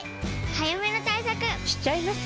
早めの対策しちゃいます。